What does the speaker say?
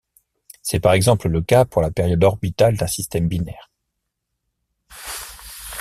C'est par exemple le cas pour la période orbitale d'un système binaire.